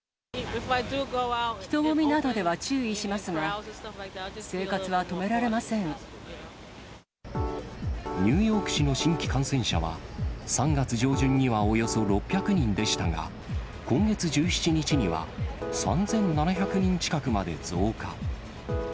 人混みなどでは注意しますが、ニューヨーク市の新規感染者は、３月上旬にはおよそ６００人でしたが、今月１７日には３７００人近くまで増加。